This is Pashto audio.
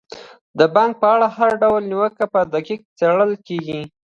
د بانک په اړه هر ډول نیوکه په دقت څیړل کیږي.